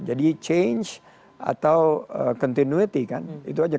jadi change atau continuity kan itu aja